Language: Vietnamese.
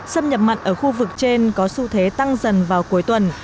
xâm nhập mặn ở khu vực trên có xu thế tăng dần vào cuối tuần